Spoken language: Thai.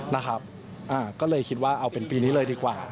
นะครับก็เลยคิดว่าเอาเป็นปีนี้เลยดีกว่า